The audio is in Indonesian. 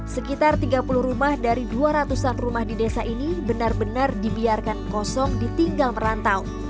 sekitar tiga puluh rumah dari dua ratus an rumah di desa ini benar benar dibiarkan kosong ditinggal merantau